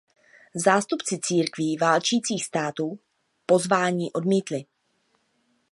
Zástupci církví válčících států pozvání odmítli.